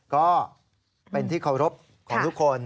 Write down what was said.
ก็เป็นที่เคารพของทุกคน